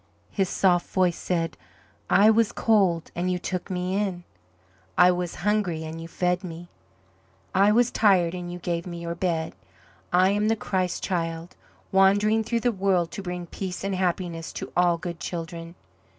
His soft voice said: "I was cold and you took Me in. I was hungry and you fed Me. I was tired and you gave Me your bed. I am the Christ Child, wandering through the world to bring peace and happiness to all good children.